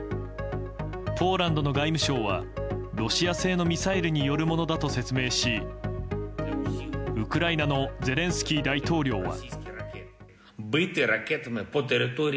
ポーランドの外務省はロシア製のミサイルによるものだと説明しウクライナのゼレンスキー大統領は。